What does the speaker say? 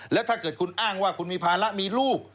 แล้วถ้าเกิดคุณอ้างว่าคุณมีภาระมีลูก